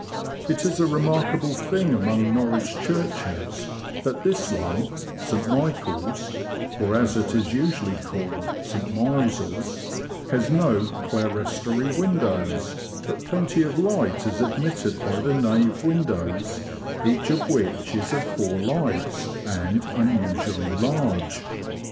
It is a remarkable thing among Norwich churches, that this one (St. Michael's, or, as it is usually called, St. Miles's) has no clerestory windows ; but plenty of light is admitted by the nave windows, each of which is of four lights, and unusually large.